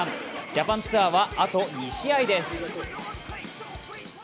ジャパンツアーはあと２試合です。